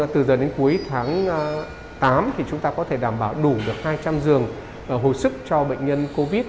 từ giờ đến cuối tháng tám thì chúng ta có thể đảm bảo đủ được hai trăm linh giường hồi sức cho bệnh nhân covid